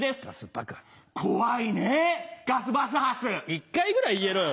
１回ぐらい言えろよ